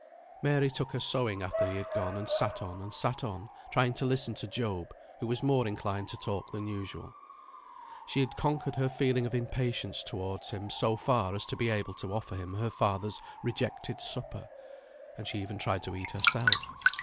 Mary took her sewing after he had gone, and sat on, and sat on, trying to listen to Job, who was more inclined to talk than usual. She had conquered her feeling of impatience towards him so far as to be able to offer him her father's rejected supper; and she even tried to eat herself.